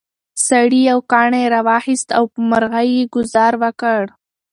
سړي یو کاڼی راواخیست او په مرغۍ یې ګوزار وکړ.